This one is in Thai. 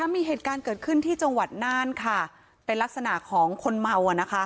มีเหตุการณ์เกิดขึ้นที่จังหวัดน่านค่ะเป็นลักษณะของคนเมา